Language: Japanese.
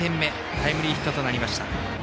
タイムリーヒットとなりました。